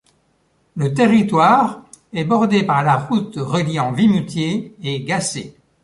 Le territoire est bordé par la route reliant Vimoutiers et Gacé.